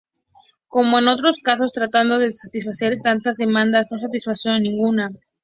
Como en otros casos, tratando de satisfacer tantas demandas, no satisfizo ninguna.